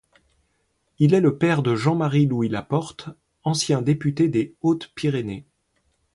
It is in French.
Il est le père de Jean Marie Louis Laporte, ancien député des Hautes-Pyrénées.